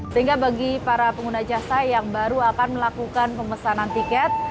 sehingga bagi para pengguna jasa yang baru akan melakukan pemesanan tiket